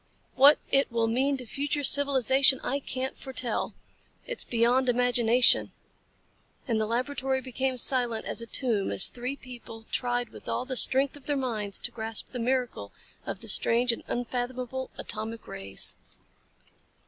What it will mean to future civilization I can't foretell. It's beyond imagination." And the laboratory became silent as a tomb as the three people tried with all the strength of their minds to grasp the miracle of the strange and unfathomable atomic rays.